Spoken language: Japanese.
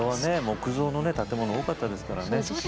木造の建物多かったですからね。